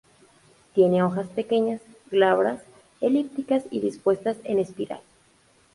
Tiene hojas pequeñas glabras, elípticas y dispuestas en espiral.